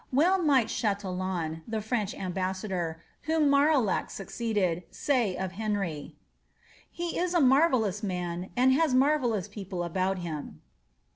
Well might Ch&tillon, the French ambassador, whom Marillac succeeded, say of Henry, ^^ He is a marvellous man, and has marvellous people about him."